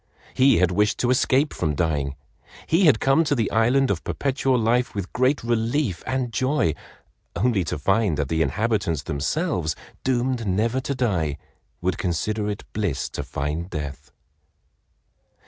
He had wished to escape from dying. He had come to the land of Perpetual Life with great relief and joy, only to find that the inhabitants themselves, doomed never to die, would consider it bliss to find death.